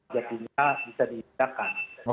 jadinya bisa diindahkan